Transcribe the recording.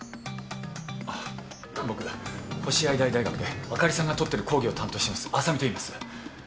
あっ僕星合台大学で朱莉さんが取ってる講義を担当してます浅海といいます。